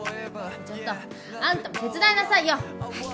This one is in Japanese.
ちょっとあんたも手伝いなさいよ。早く！